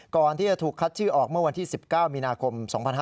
ก่อนที่จะถูกคัดชื่อออกเมื่อวันที่๑๙มีนาคม๒๕๕๙